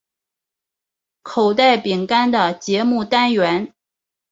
口袋饼干的节目单元。